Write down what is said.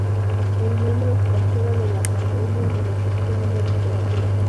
Es miembro extranjero de la Academia de la sección de literatura.